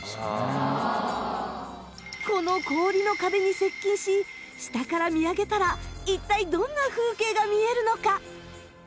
この氷の壁に接近し下から見上げたら一体どんな風景が見えるのか？